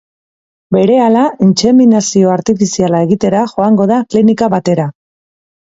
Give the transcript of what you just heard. Berehala intseminazio artifiziala egitera joango da klinika batera.